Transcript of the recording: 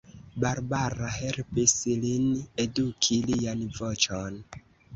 Barbara helpis lin eduki lian voĉon.